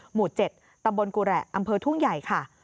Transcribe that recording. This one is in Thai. หมู่๗ตำบลกุระอำเภอทุ่งใหญ่ค่ะ